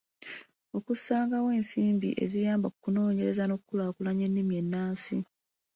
Okussangawo ensimbi eziyamba ku kunoonyereza n’okukulaakulanya ennimi ennansi